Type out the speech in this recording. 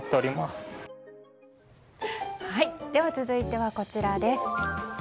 続いてはこちらです。